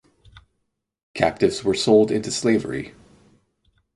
Captives were sold into slavery.